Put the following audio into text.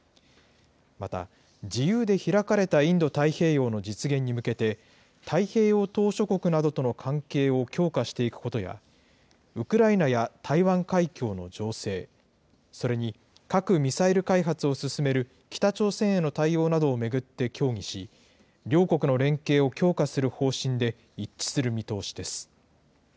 また自由で開かれたインド太平洋の実現に向けて、太平洋島しょ国などとの関係を強化していくことや、ウクライナや台湾海峡の情勢、それに核・ミサイル開発を進める北朝鮮への対応などを巡って協議し、両国の連携を強化する方針で一致する見通しです。